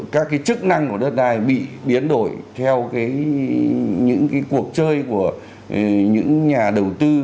các cái chức năng của đất đai bị biến đổi theo những cuộc chơi của những nhà đầu tư